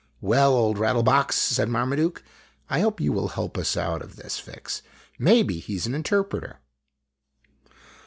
"Well, Old Rattle box," said Marmaduke, "I hope you will help us out of this fix. Maybe he 's an interpreter."